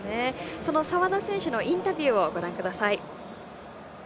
澤田選手のインタビューご覧ください。